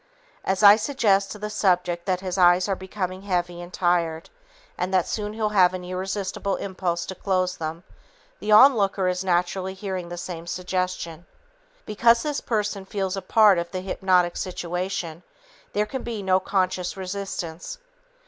As I suggest to the subject that his eyes are becoming heavy and tired and that soon he'll have an irresistible impulse to close them, the onlooker is naturally hearing the same suggestion. Because this person feels apart from the hypnotic situation, there can be no conscious resistance.